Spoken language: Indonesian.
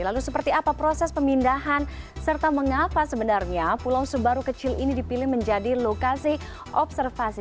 lalu seperti apa proses pemindahan serta mengapa sebenarnya pulau sebaru kecil ini dipilih menjadi lokasi observasi